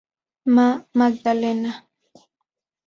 Mª Magdalena.